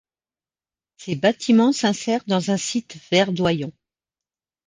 Ces bâtiments s'insèrent dans un site verdoyant.